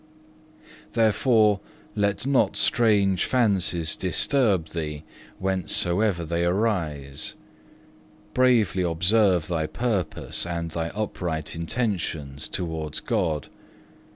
6. "Therefore let not strange fancies disturb thee, whencesoever they arise. Bravely observe thy purpose and thy upright intentions towards God.